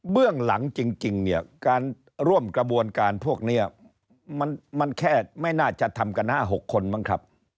หลังจริงเนี่ยการร่วมกระบวนการพวกนี้มันแค่ไม่น่าจะทำกัน๕๖คนมั้งครับ